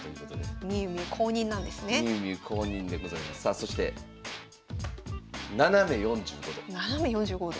そして「斜め４５度」。